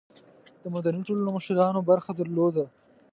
د مدني ټولنو مشرانو برخه درلوده.